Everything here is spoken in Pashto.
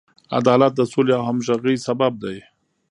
عدالت د سولې او همغږۍ سبب دی.